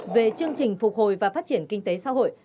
về chương trình phục hồi và phát triển kinh tế xã hội